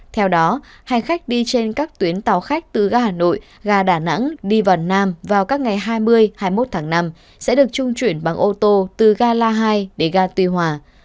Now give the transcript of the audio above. theo đó hành khách đi trên các tuyến tàu khách từ ga hà nội ga đà nẵng đi vào nam vào các ngày hai mươi hai mươi một tháng năm sẽ được trung chuyển bằng ô tô từ ga la hai đến ga tuy hòa